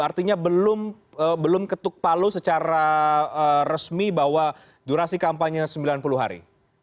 artinya belum ketuk palu secara resmi bahwa durasi kampanye sembilan puluh hari